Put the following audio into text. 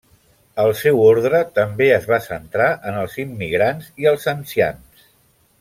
El seu ordre també es va centrar en els immigrants i els ancians.